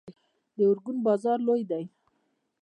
د ارګون بازار لوی دی